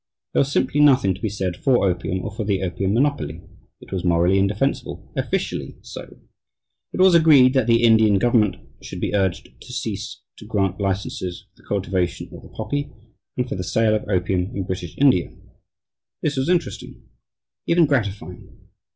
There was simply nothing to be said for opium or for the opium monopoly. It was "morally indefensible" officially so. It was agreed that the Indian government should be "urged" to cease to grant licenses for the cultivation of the poppy and for the sale of opium in British India. This was interesting even gratifying.